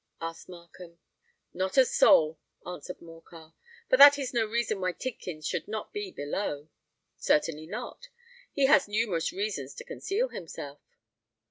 asked Markham. "Not a soul," answered Morcar. "But that is no reason why Tidkins should not be below." "Certainly not. He has numerous reasons to conceal himself."